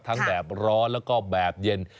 แบบร้อนแล้วก็แบบเย็น